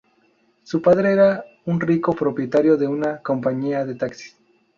Su padre era un rico propietario de una compañía de taxis.